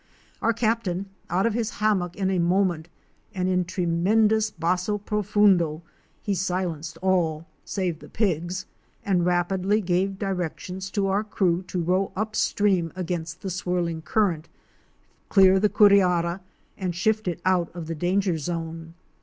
Our Captain was out of his hammock in a moment and in tremendous basso profundo he silenced all, save the pigs, and rapidly gave directions to our crew to row upstream against the swirling current, clear the curiara and shift it outside the danger zone.